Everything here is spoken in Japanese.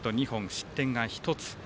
失点が１つ。